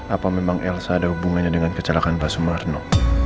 apa memang elsa ada hubungannya dengan kecelakaan pak sumarno